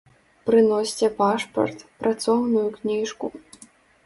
Прыносьце пашпарт, працоўную кніжку.